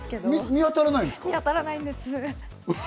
見当たらないです。